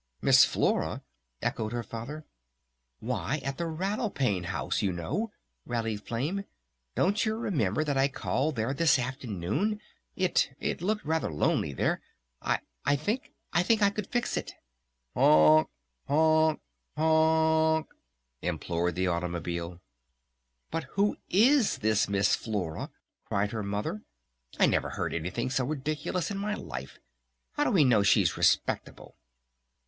"Miss Flora?" echoed her Father. "Why, at the Rattle Pane House, you know!" rallied Flame. "Don't you remember that I called there this afternoon? It it looked rather lonely there. I think I could fix it." "Honk honk honk!" implored the automobile. "But who is this Miss Flora?" cried her Mother. "I never heard anything so ridiculous in my life! How do we know she's respectable?"